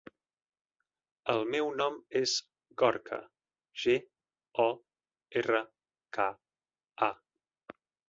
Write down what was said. El meu nom és Gorka: ge, o, erra, ca, a.